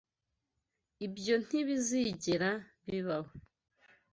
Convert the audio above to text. Ibyo ntibizigera bibaho.